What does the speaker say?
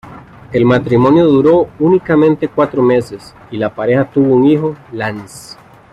El matrimonio duró únicamente cuatro meses, y la pareja tuvo un hijo, Lance.